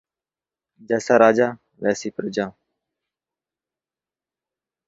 جیسا راجا ویسی پرجا